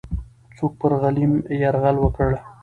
څوک پر غلیم یرغل وکړ؟